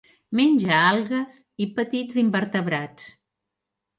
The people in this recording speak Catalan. Menja algues i petits invertebrats.